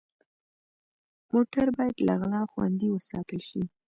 موټر باید له غلا خوندي وساتل شي.